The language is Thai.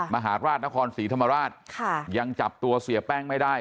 มหาราชนครศรีธรรมราชยังจับตัวเสียแป้งไม่ได้